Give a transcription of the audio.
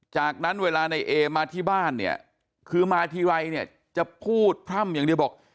จากนั้นเวลาในเอมาที่บ้านเนี่ยคือมาทีไรเนี่ยจะพูดพร่ำอย่างเดียวบอก